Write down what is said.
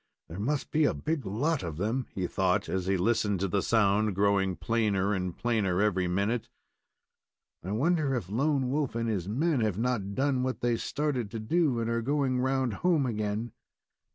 "There must be a big lot of them," he thought, as he listened to the sound growing plainer and plainer every minute. "I wonder if Lone Wolf and his men have not done what they started to do and are going round home again?"